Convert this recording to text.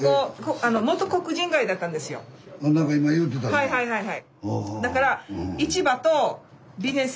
はいはいはいはい。